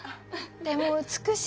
でも美しい。